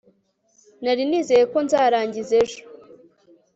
nari nizeye ko nzarangiza ejo